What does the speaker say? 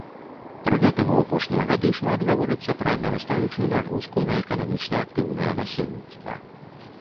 Пры гэтым у апошнія гады шмат гаворыцца пра нарастаючую нагрузку на эканамічна актыўнае насельніцтва.